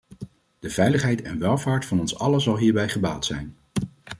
De veiligheid en welvaart van ons allen zal hierbij gebaat zijn.